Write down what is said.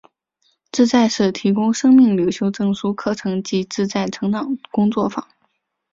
自在社提供生命领袖证书课程及自在成长工作坊。